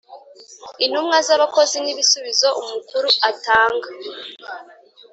Intumwa z abakozi n ibisubizo umukuru atanga